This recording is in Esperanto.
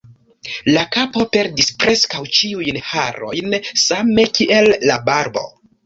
La kapo perdis preskaŭ ĉiujn harojn, same kiel la barbo.